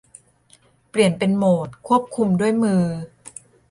เปลี่ยนเป็นโหมดควบคุมด้วยมือ